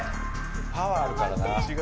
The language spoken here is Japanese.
パワーあるからな。